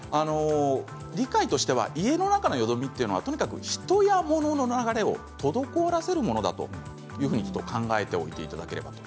理解としては家の中のよどみというのはとにかく人やものの流れを滞らせるものだというふうに考えておいていただければと。